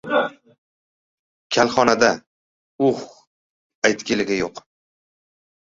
Kalxonada... Uh, aytgili yo‘q.